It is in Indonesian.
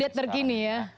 update tergini ya